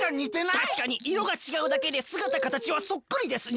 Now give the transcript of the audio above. たしかにいろがちがうだけですがたかたちはそっくりですね。